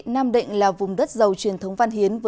nam định là vùng đất giàu truyền thống văn hiến